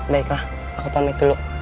baiklah aku pamit dulu